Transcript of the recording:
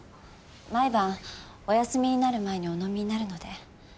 毎晩お休みになる前にお飲みになるので。